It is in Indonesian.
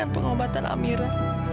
nyenyak sustar ya